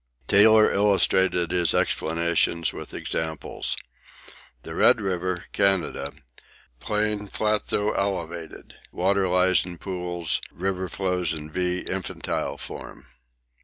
Taylor illustrated his explanations with examples: The Red River, Canada Plain flat though elevated, water lies in pools, river flows in 'V' 'infantile' form.